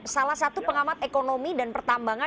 salah satu pengamat ekonomi dan pertambangan